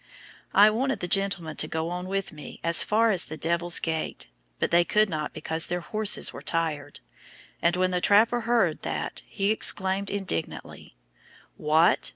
I wanted the gentlemen to go on with me as far as the Devil's Gate, but they could not because their horses were tired; and when the trapper heard that he exclaimed, indignantly, "What!